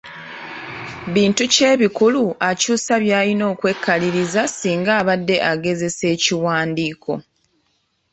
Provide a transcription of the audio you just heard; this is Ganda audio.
Bintu ki ebikulu akyusa by’alina okwekaliriza singa abadde agezesa ekiwandiiko?